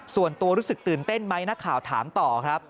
ส่วนตัวรู้สึกตื่นเต้นไหมนักข่าวถามต่อครับ